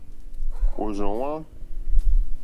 Òrzòŋwá.